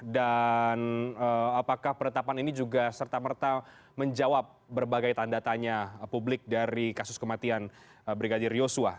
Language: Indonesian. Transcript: dan apakah penetapan ini juga serta merta menjawab berbagai tanda tanya publik dari kasus kematian brigadir yusuf